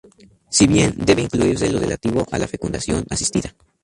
Si bien debe incluirse lo relativo a la fecundación asistida.